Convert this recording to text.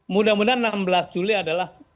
mudah mudahan enam belas juli adalah